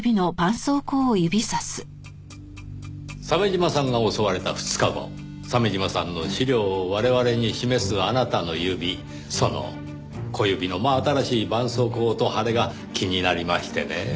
鮫島さんが襲われた２日後鮫島さんの資料を我々に示すあなたの指その小指の真新しい絆創膏と腫れが気になりましてねぇ。